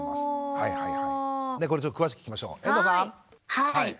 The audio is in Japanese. はい。